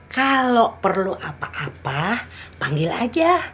kalau perlu apa apa panggil aja